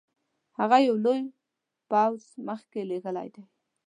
هغه یو لوی پوځ مخکي لېږلی دی.